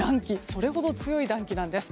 それほど強い暖気なんです。